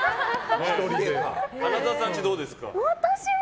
花澤さんちはどうですか？